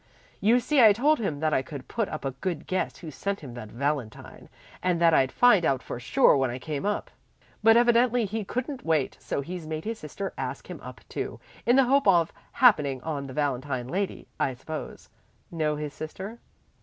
You see I told him that I could put up a good guess who sent him that valentine, and that I'd find out for sure when I came up. But evidently he couldn't wait, so he's made his sister ask him up too, in the hope of happening on the valentine lady, I suppose. Know his sister?"